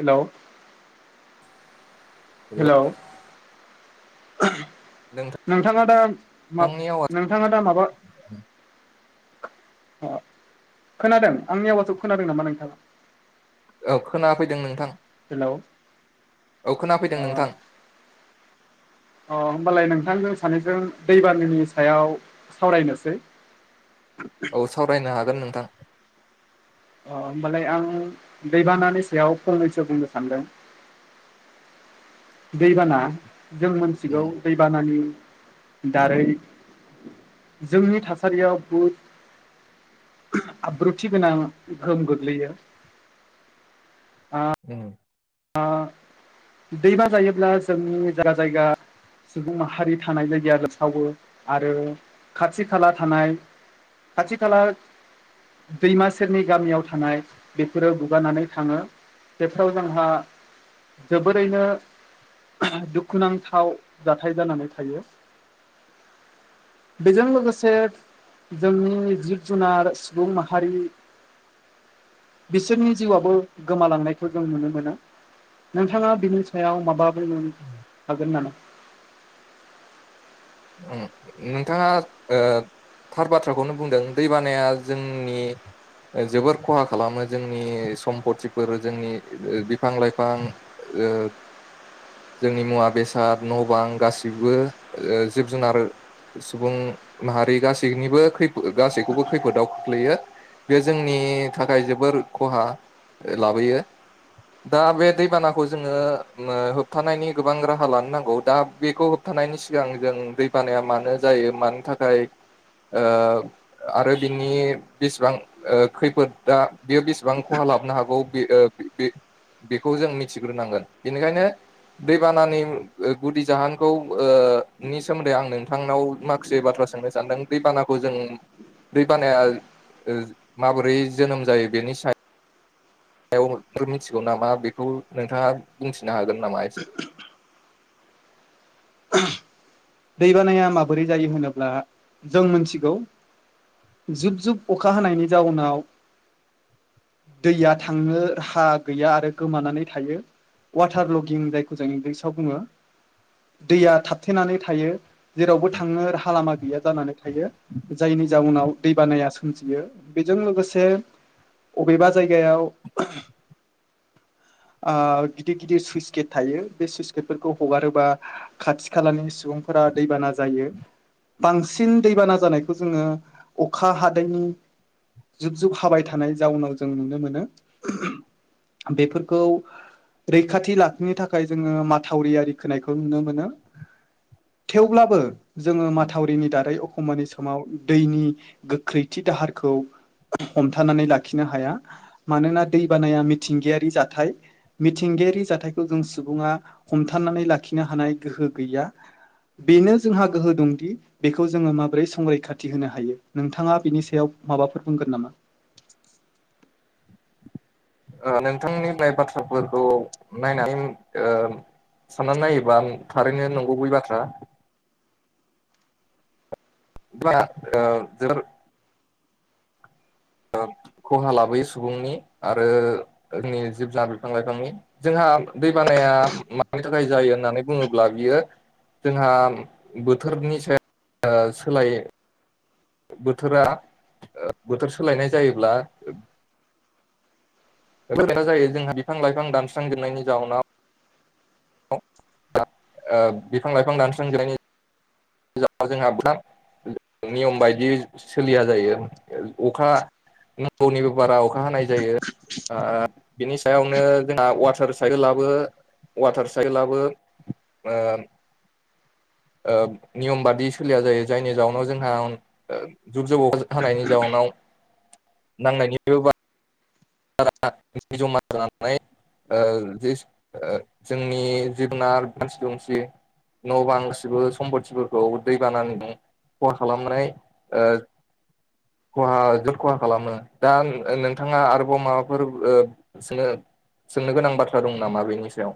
हेल' hello hello नोंथाङा दा मा नोंथांनि आवाज नोंथाङा दा माबा अ खोनादों आंनि आवासखौ खोनादों नामा नोंथाङा? औ खोना फैदों नोंथां। हेल' औ खोनाफैदों नोंथां। अ होमबालाय नोंथांजों सानैजों दैबानानि सायाव सावरायनोसै। औ सावरायनो हागोन नोंथां। अ होमबालाय आं दैबानानि सायाव फंनैसो बुंनो सानदों। [inaudible] दैबाना जों उम मोन्थिगौ दैबानानि दारै जोंनि थासारियाव बहुद आब्रुथि गोनां गोहोम गोग्लैयो उम आ दैबा जायोब्ला जोंनि जायगा जायगा सुबुं माहारि थानाय जायगाया सावो आरो खाथि खाला थानाय खाथि खाला दैमा सेरनि गामियाव थानाय बेफोरो गुगानानै थाङो बेफोराव जोंहा जोबोरैनो दुखुनांथाव जाथाय जानानै थायो बेजों लोगोसे जोंनि जिब जुनार सुबुं माहारि बिसोरनि जिउआबो गोमालांनायखौ जों नुनो मोनो नोंथाङा बिनि सायाव माबा बुंनो‌ हागोन नामा? उम नोंथाङा ओ थार बाथ्राखौनो बुंदों दैबानाया जोंनि ओ जोबोर खहा खालामो जोंनि सम्फथिफोर जोंनि बिफां लाइफां ओ जोंनि मुवा बेसाद न बां गासिबो ओ जो जिब जुनार सुबुं माहारि गासैनिबो खैफोद गासैखौबो खैफोदाव खोख्लैयो बे जोंनि थाखाय जोबोर खहा लाबोयो दा बे दैबानाखौ जोङो मा होबथानायनि गोबां राहा लानो नांगौ दा बेखौ होबथा नायनि सिगां जों दैबानाया मानो जायो मानि थाखाय ओ‌ आरो बिनि बेसेबां खैफोदा बेयो बेसेबां खहा लाबनो हागौ बे ओ बे बेखौ जों मिथिग्रोनांगोन बेनिखायनो दैबानानि उम‌ ओ गुदि जाहोनखौ ओ सोमोन्दै आं नोंथांनाव माखासे बाथ्रा सोंनो सानदों दैबानाखौ जों दै बानाया ओ‌ माबोरै जोनोम जायो बेनि सायाव सायाव मिथिगौ नामा बेखौ नोंथाङा बुंथिनो हागोन नामा एसे? [inaudible] दैबानाया माबोरै जायो होनोब्ला जों मोनथिगौ जुब जुब अखा हानायनि जाउनाव दैया थांनो हा गैया आरो गोमानानै थायो वाटार लकिं जायखौ जों इंग्लिसाव बुङो दैया थाबथेनानै थायो जेरावबो थांनो राहालामा गैया जानानै थायो जायनि जाउनाव दै बानाया यो बेजों लोगोसे अबेबा जायगायाव [inaudible] आ गिदिर गिदिर सुइस गेट थायो बे सुइस गेटफोरखौ हगारोबा खाथि खालानि सुबुंफोरा दैबाना जायो बांसिन दैबाना जानायखौ जोङो अखा हादैनि जुब जुब हाबाय थानाय जाउनाव जों नुनो मोनो बेफोरखौ रैखाथि लाखिनो थाखाय जोङो माथावरियारि खोनायखौ नुनो मोनो थेवब्लाबो जोङो माथावरिनि दारै खानि समाव दैनि गोख्रैथि दाहारखौ हमथानानै लाखिनो हाया मानोना दैबानाया मिथिंगायारि जाथाय मिथिंगायारि जाथायखौ जों सुबुङा हमथानानै लाखिनो हानाय गोहो गैया बेनो जोंहा गोहो दंदि बेखौ जोङो माबोरै संरैखाथि होनो हायो नोंथाङा बिनि सायाव माबाफोर बुंगोन नामा? ओ नोंथांनिफ्राय बाथ्राफोरखौ नायनानै ओ साननानै नायोबां थारैनो नंगुबै बाथ्रा। दा जों [unintelligible] खहा लाबोयो सुबुंनि आरो जोंनि जिब जुनार बिफां लाइफांनि जोंहा [unintelligible] दै बानाया मानि थाखाय जायो होननानै बुङोब्ला बियो जोंहा बोथोरनि सायाव सोलाय बोथोरा बोथोर सोलायनाय जायोब्ला बेथा जायो जोंहा बिफां लाइफां दानस्रांजोबनायनि जाउनाव [unintelligible] [unintelligible] बिफां लाइफां दानस्रांग्रायनायनि जा जोंहा बिराद [unintelligible] नियम बायदि सोलिया जायो अखा नांगौनिबो बारा अखा हानाय जायो। आ बिनि सायावनो जोंना वाटार साइकेलाबो वाटार साइकेलबो ओ ओ नियम बादि सोलिया जायो जायनि जाहोनाव जोंहा जुब जब अखा हानायनि जाउनाव नांनायनिबो बारा दै जमा जानानै ओ ज जोंनि जबुनार मानसि दुमसि न' बां सुबुं सम्पथिफोरखौ दै बानानानै दं [unintelligible] फन खालामनाय ओ खहा जोबोद खहा खालामो दा नोंथाङा आरो माबाफोर ओ स सोंनो गोनां बाथ्रा दं नामा बेनि सायाव?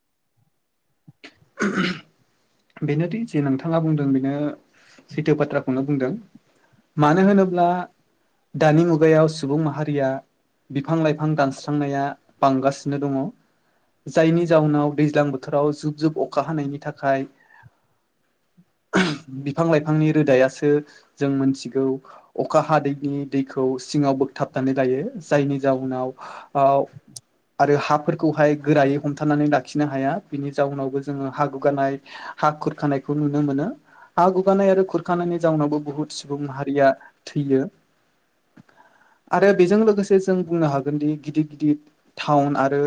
[inaudible] बेनोदि जे नोंथाङा बुंदों बेनो सैथो बाथ्राखौनो बुंदों। मानो होनोब्ला दानि मुगायाव सुबुं माहारिया। बिफां लाइफां दानस्रांनाया बांगासिनो दङ जायनि जाउनाव दैज्लां बोथोराव जुब जुब अखा हानायनि थाखाय [inaudible] बिफां लाइफांनि रोदायासो जों मोनथिगौ अखा हादैनि दैखौ सिङाव बोगथाबनानै लायो जायनि जाउनाव आ आरो हाफोरखौहाय गोरायै हमथानानै लाखिनो हाया बिनि जाउनावबो जोङो हा गुगानाय हा खुरखानायखौ नुनो मोनो। हा गुगानाय आरो खुरखानायनि जाउनावबो बुहुत सुबुं माहारिया थैयो। आरो बेजों लोगोसे जों बुंनो हागोनदि गिदिर गिदिर टाउन आरो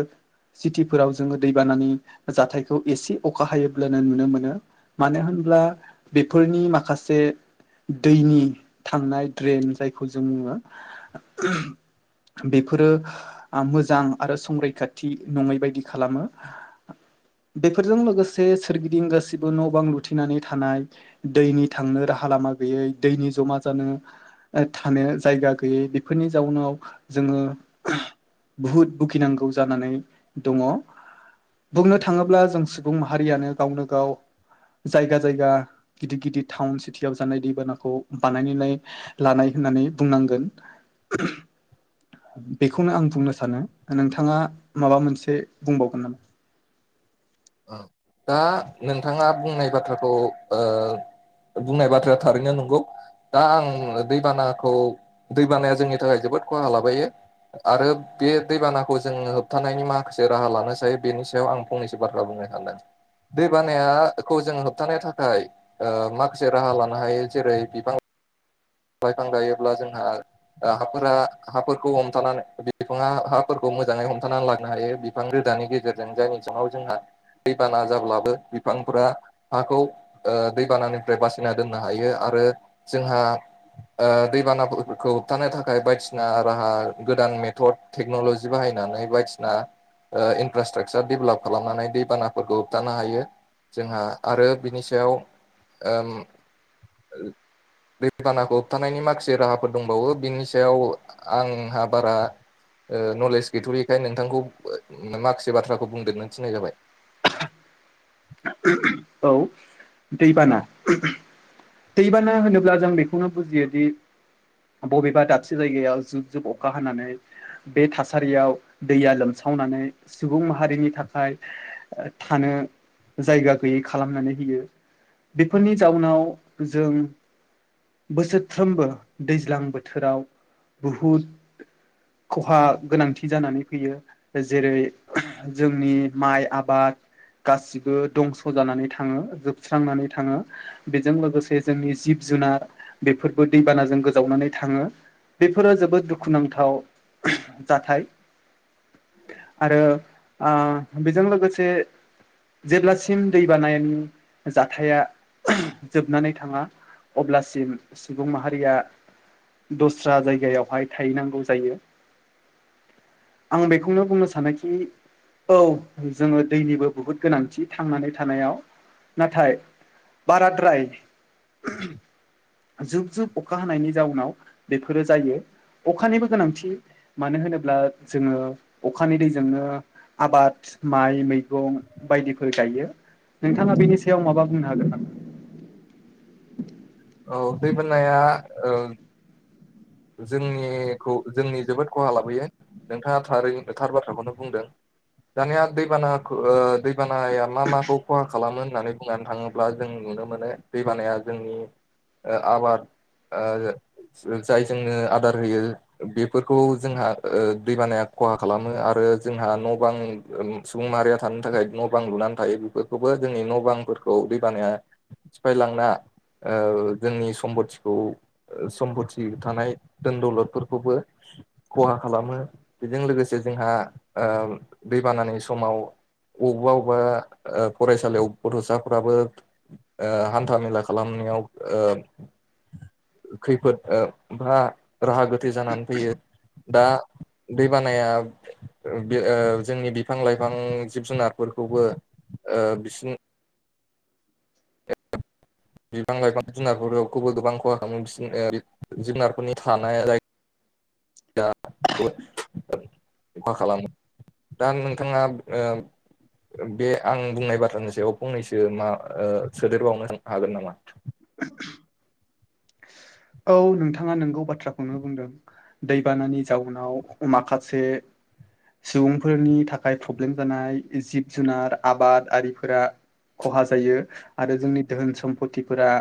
सिटिफोराव जोङो दैबानानि जाथायखौ एसे अखा हायोब्लानो नुनो मोनो। मानो होनब्ला बेफोरनि माखासे दैनि थांनाय ड्रेन जायखौ जों बुङो। बेफोरो मोजां आरो संरैखाथि नङै बायदि खालामो। बेफोरजों लोगोसे सोरगिदिं गासै गासिबो न' बां लुथिनानै थानाय दैनि थांनो राहा लामा गैयै दैनि जमा जानो थानो जायगा गैयै बेफोरनि जाउनाव जोङो [inaudible] बुहुद बुखिनांगौ जानानै दङ। बुंनो थाङोब्ला जों सुबुं माहारियानो गावनो गाव जायगा जायगा गिदिर-गिदिर टाउन सिटिवाव जानाय दैबानाखौ बानायनानै लानाय होननानै बुंनांगोन बेखौनो आं बुंनो सानो नोंथाङा माबा मोनसे बुंबावगोन नामा? [inaudible] ओं दा नोंथाङा बुंनाय बाथ्राखौ ओ बुंनाय बाथ्राया थारैनो नोंगौ। दा आं दैबानाखौ दैबानाया जोंनि थाखाय जोबोद खहा लाबायो। आरो बे दैबानाखौ जों होबथानायनि माखासे राहा लानो हायो, बेनि सायाव आं फंनैसो बाथ्रा बुंनो सानदों दै बानाया खौ जों होबथानो थाखाय ओ माखासे राहा लानो हायो जेरै बिफां लाइफां गायोब्ला जोंहा हाफोरा हाफोरखौ हमथानानै बिफाङा हाफोरखौ मोजाङै हमथानानै लांनो हायो बिफां रो दानि गेजेरजों जायनि [unintelligible] जोंहा दैबाना जाब्लाबो बिफांफोरा हाखौ ओ दैबानानिफ्राय बासिना दोननो हायो आ आरो जोंहा ओ दैबानाफोरखौ होबथानो थाखाय बायदिसिना राहा गोदान मेथड टेक्न'लजि बाहाय नानै बायदिसिना ओ इनफ्रास्ट्राकसार डेभेलप खालामनानै दैबानाफोरखौ होबथानो हायो। जोंहा आरो बिनि सायाव ओम [unintelligible] होबथानायनि माखासे राहाफोर दंबावो बिनि सायाव आंहा बारा नलेज गैथ'यैखाय नोंथांखौ माखासे बाथ्राखौ बुंदेरनो थिन्नाय जाबाय। औ दैबाना दै बाना होनोब्ला जों बेखौनो बुजियोदि बबेबा दाबसे जायगायाव जुब जुब अखा हानानै बे थासारियाव दैया लोमसावनानै सुबुं माहारिनि थाखाय थानो जायगा गैयै खालामनानै होयो। बेफोरनि जाउनाव जों बोसोरफ्रोमबो दैज्लां बोथोराव बहुद खहा गोनांथि जानानै फैयो। जेरै जोंनि माइ आबाद गाससि बो दंस' जानानै थाङो, जोबस्रांनानै थाङो। बेजों लोगोसे जोंनि जिब जुनार बेफोरबो दै बानाजों गोजावनानै थाङो। बेफोरो जोबोद दुखु दुखुनांथाव जाथाय आरो आ बेजों लोगोसे जेब्लासिम दै बानायनि जा थाया जोबनानै थाङा अब्लासिम सुबुं माहारिया दस्रा जायगायावहाय थाहैनांगौ जायो। आं बेखौनो बुंनो सानोखि औ जोङो दैनिबो बुहुद गोनांथि थांनानै थानायाव। नाथाय बाराद्राय जुब जुब अखा हानायनि जाउनाव बेफोरो जायो। अखानिबो गोनांथि मानो होनोब्ला जोङो अखानि दैजोंनो आबाद माइ मैगं बायदिफोर गायो। नोंथाङा बेनि सायाव माबा बुंनो हागोन नामा? औ दै बाननाया ओ जोंनिखौ जोंनि जोबोद खहा लाबोयो। नोंथाङा थारै थार बाथ्राखौनो बुंदों। दानिया दैबानाखौ ओ दै बानाया मा माखौ खहा खालामो होननानै बुंनानै थाङोब्ला जों नुनो मोनो दै बानाया जोंनि आबार ओ [unintelligible] जाय जोंनो आदार होयो बेफोरखौ जोंहा ओ दैबानाया खहा खालामो आरो जोंहा न' बां सुबुं माहारिया थानो थाखाय न' बां लुनानै थायो बेफोरखौबो जोंनि न' बांफोरखौ दैबाना मा सिफायलांना ओ जोंनि सम्पटिखौ ओ सम्पटि थानाय दोन दौलदफोरखौबो खहा खालामो बेजों लोगोसे जोंहा ओ दै बानानि समाव अबेबा अबेबा फरायसालियाव गथ'साफ्राबो ओ हान्था मेला खालामनो नायाव ओ खैफोद ओ बा राहा गोथे जानानै फैयो दा दै बानाया ओ जोंनि बिफां लाइफां जिब जुनारफोरखौबो ओ बिसिनि बिबां लाइफां जुनारखौबो गोबां खहा खालामो बि जुनारफोरनि थानाया जाय दा बो मा खालामो? दा नोंथाङा ओ, बे आं बुंनाय बाथ्रानि सायाव फंनैसो मा ओ सोदेरबावनो हागोन नामा? औ नोंथाङा नोंगौ बाथ्राखौनो बुंदों दैबानानि जाउनाव माखासे, सुबुंफोरनि थाखाय प्रब्लेम जानाय जिब जुनार आबाद आरिफोरा, खहा जायो आरो जोंनि धोहोन सम्फटिफोरा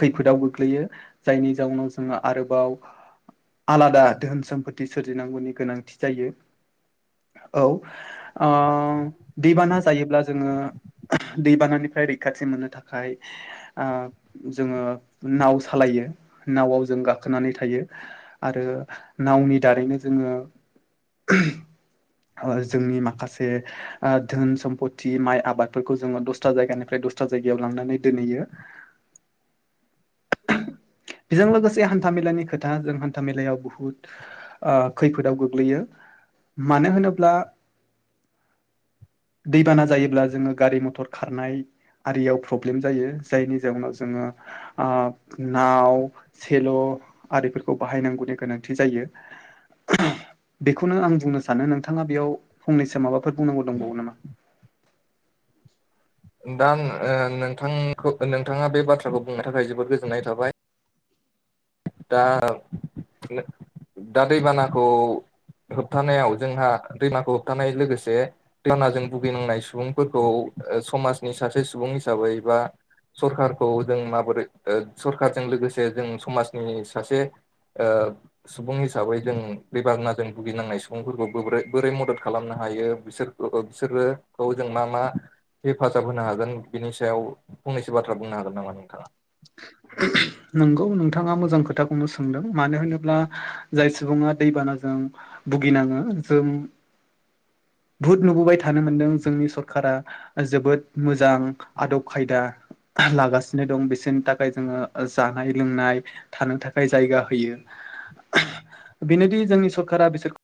खैफोदाव गोग्लैयो। जायनि जाउनाव जोङो आरोबाव आलादा धोन समोम्फथि सोरजिनांगौनि गोनांथि जायो। औ ओ दैबाना जायोब्ला जोङो। दैबानानिफ्राय रैखाथि मोननो थाखाय ओ जोङो नाव सालायो नावआव जों गाखोनानै थायो आरो नावनि दारैनो जोङो। जोंनि माखासे ओ धोन सम्पथि माइ आबादफोरखौ जोङो दस्रा जायगानिफ्राय, दसस्रा जायगायाव लांनानै दोनहैयो। बेजों लोगोसे हान्थामेलानि खोथा जों हान्था मेलायाव बुहुद ओ खैफोदाव गोग्लैयो, मानो होनोब्ला, दैबाना जायोब्ला जोङो गारि मथर खारनाय, आरियाव प्रब्लेम जायो जायनि जाउनाव जोङो ओ नाव सेल' आरिफोरखौ बाहायनांगौनि गोनांथि जायो। बेखौनो आं बुंनो सानो नोंथाङा बेयाव फंनैसो माबा। फोर बुंनांगौ दंबावो नामा? दा ओ नोंथांखौ नोंथाङा बे बाथ्राखौ बुंनो थाखाय जोबोद गोजोननाय थाबाय। दा दा दैबानाखौ, होबथानायाव जोंहा दैमाखौ होबथानाय लोगोसे दैनाजों भुगिनांनाय सुबुंफोरखौ, ओ समाजनि सासे सुबुं हिसाबै बा, सरखारखौ जों माबोरै ओ सरखारजों लोगोसे जों समाजनि सासे, ओ सुबुं हिसाबै जों बे दैबानाजों भुगिनांनाय सुबुंफोरखौ बोरै बोरै मदद खालामनो, हायो बिसोर बिसोरोखौ जों मा मा हेफाजाब होनो हागोन बिनि सायाव, फंनैसो बाथ्रा बुंनो हागोन नामा नोंथाङा? नोंगौ नोंथाङा मोजां खोथाखौनो सोंदों मानो होनोब्ला जाय सुबुङा दैबानाजों, भुगिनाङो जों, बुहुद नुबोबाय थानो मोनदों जोंनि सरखारा जोबोद मोजां आदब खायदा, लागासिनो दं बिसोरनि थाखाय जोङो, जानाय लोंनाय थानो थाखाय जायगा होयो। बिनोदि जोंनि सरकारा बिसोर,